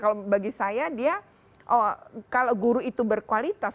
kalau bagi saya dia kalau guru itu berkualitas